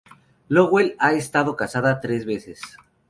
Lowell ha estado casada tres veces.